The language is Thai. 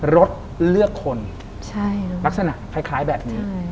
รถเลือกคนใช่ลักษณะคล้ายคล้ายแบบนี้ใช่